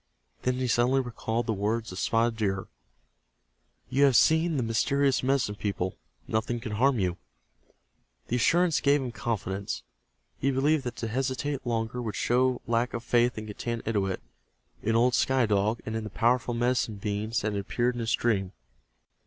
Then he suddenly recalled the words of Spotted Deer, "You have seen the mysterious Medicine People. Nothing can harm you." The assurance gave him confidence. He believed that to hesitate longer would show lack of faith in Getanittowit, in old Sky Dog and in the powerful Medicine Beings that had appeared in his dream.